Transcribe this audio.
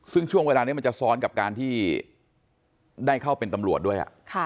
ซึ่งช่วงเวลานี้มันจะซ้อนกับการที่ได้เข้าเป็นตำรวจด้วย